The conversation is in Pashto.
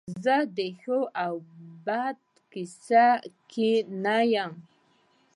زه د ښه او بد په کیسه کې نه وم